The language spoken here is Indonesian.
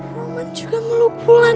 roman juga meluk wulan